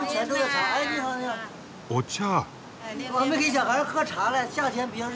お茶？